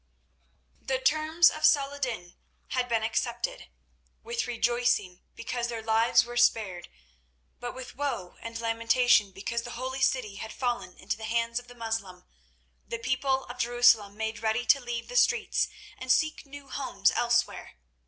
The terms of Saladin had been accepted. With rejoicing because their lives were spared, but with woe and lamentation because the holy city had fallen again into the hands of the Moslem, the people of Jerusalem made ready to leave the streets and seek new homes elsewhere.